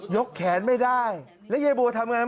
ยกแขนไม่ได้แล้วยายบัวทำอย่างไรไหม